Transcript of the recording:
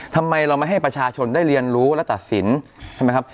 ทำไมเราไม่ให้ประชาชนได้เรียนรู้และตัดสินใช่ไหมครับ